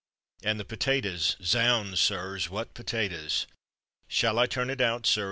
And the potatoes zounds, sirs! What potatoes! "Shall I turn it out, sir?"